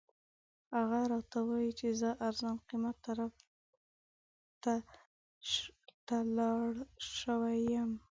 هغه راته وایي چې زه ارزان قیمت طرف ته لاړ شوی یم.